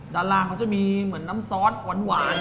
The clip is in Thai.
ด่าล่างก็จะมีน้ำซอสหวาน